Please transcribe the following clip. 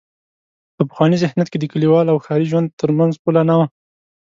په پخواني ذهنیت کې د کلیوال او ښاري ژوند تر منځ پوله نه وه.